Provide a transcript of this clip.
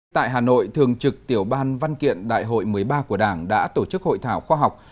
tại hà nội thường trực tiểu ban văn kiện đại hội một mươi ba của đảng đã tổ chức hội thảo khoa học